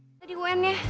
gimana di un ya